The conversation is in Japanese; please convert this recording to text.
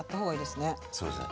そうですね。